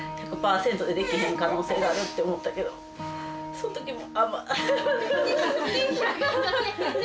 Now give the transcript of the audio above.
そのときも。